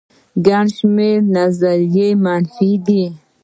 ګڼ شمېر نظرونه منفي دي